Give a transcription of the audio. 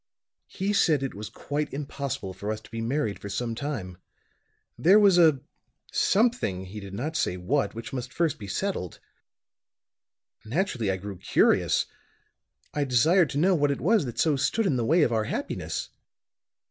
He said it was quite impossible for us to be married for some time. There was a something he did not say what which must first be settled. Naturally I grew curious. I desired to know what it was that so stood in the way of our happiness.